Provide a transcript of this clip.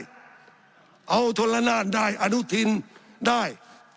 สับขาหลอกกันไปสับขาหลอกกันไป